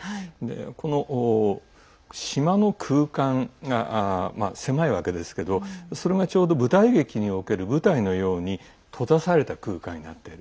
この島の空間が狭いわけですけどそれが、ちょうど舞台劇における舞台のように閉ざされた空間になっている。